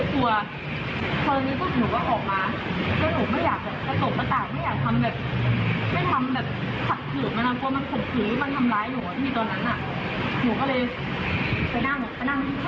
โทรเรียกว่าเคยต้องรอยเบาไหร่ไหมครับ